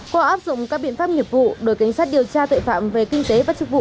qua áp dụng các biện pháp nghiệp vụ đội cảnh sát điều tra tội phạm về kinh tế và trực vụ